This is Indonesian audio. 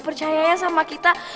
percayanya sama kita